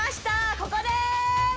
ここでーす！